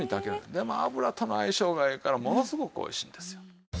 でも油との相性がええからものすごくおいしいんですよ。